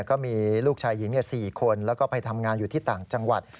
ก็มีลูกชายหญิง๔คนแล้วก็ไปทำงานอยู่ที่ต่างจังหวัด